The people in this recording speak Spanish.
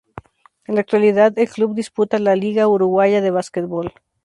En la actualidad, el club disputa la Liga Uruguaya de Básquetbol.